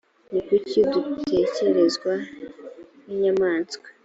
ni kuki dutekerezwa nk’inyamaswa?